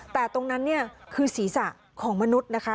แต่ตรงนั้นเนี่ยคือศีรษะของมนุษย์นะคะ